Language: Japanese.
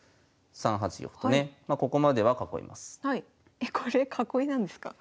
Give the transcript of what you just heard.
えこれ囲いなんですか？